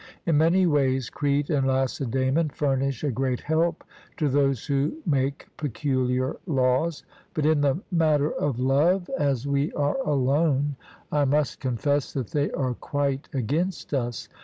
In many ways Crete and Lacedaemon furnish a great help to those who make peculiar laws; but in the matter of love, as we are alone, I must confess that they are quite against us.